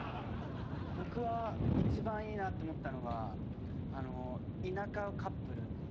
僕は一番いいなって思ったのが田舎カップル。